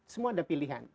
semua ada pilihan